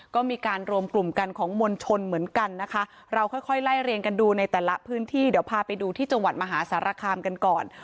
ก็มีการรวมกลุ่มกันของมวลชนเหมือนกันนะคะเราค่อยค่อยไล่เรียงกันดูในแต่ละพื้นที่เดี๋ยวพาไปดูที่จังหวัดมหาสารคามกันก่อน